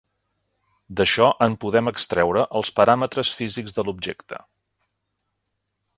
D'això en podem extreure els paràmetres físics de l'objecte.